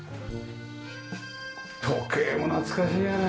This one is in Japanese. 時計も懐かしいよね。